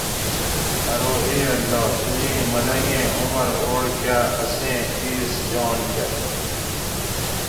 "ارو "" اے اللّٰہ تُو اِیں ملنگ ایں عمر اوڑ کاۤ اسیں اِیس جان کر"""